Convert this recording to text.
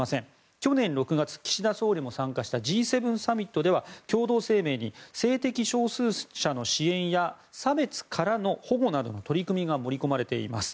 去年６月、岸田総理も参加したＧ７サミットでは共同声明に性的少数者の支援や差別からの保護などの取り組みが盛り込まれています。